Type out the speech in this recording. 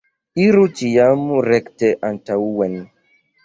Iru ĉiam rekte antaŭen.